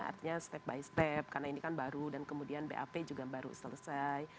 artinya step by step karena ini kan baru dan kemudian bap juga baru selesai